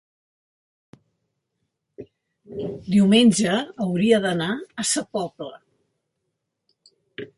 Diumenge hauria d'anar a Sa Pobla.